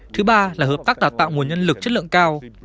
thứ ba là hợp tác đào tạo nguồn nhân lực chất lượng cao